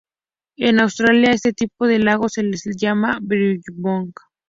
En Australia a este tipo de lagos se les llama billabong.